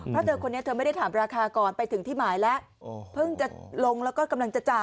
เพราะเธอคนนี้เธอไม่ได้ถามราคาก่อนไปถึงที่หมายแล้วเพิ่งจะลงแล้วก็กำลังจะจ่าย